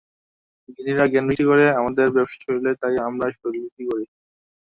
জ্ঞানীরা জ্ঞান বিক্রি করে, আমাদের ব্যবসা শরীরের তাই আমরা শরীর বিক্রি করি।